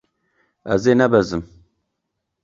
Ez ê nebezim.